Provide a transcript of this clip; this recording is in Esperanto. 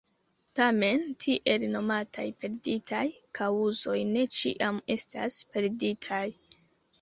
Tamen, tiel nomataj perditaj kaŭzoj ne ĉiam estas perditaj.